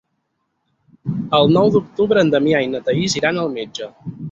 El nou d'octubre en Damià i na Thaís iran al metge.